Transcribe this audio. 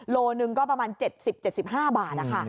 โลหนึ่งก็ประมาณ๗๐๗๕บาท